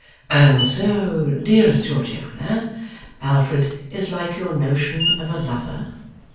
'And so, dearest Georgiana, Alfred is like your notion of a lover?